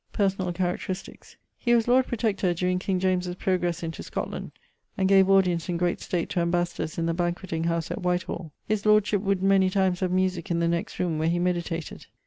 <_Personal characteristics._> He was Lord Protector during King James's progresse into Scotland, and gave audience in great state to ambassadors in the banquetting house at Whitehall. His lordship would many times have musique in the next roome where he meditated.